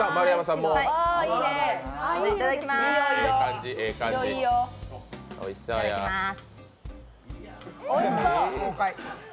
いただきまーす。